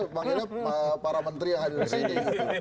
memanggilnya para menteri yang hadir disini